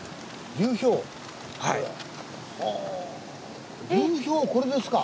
流氷これですか。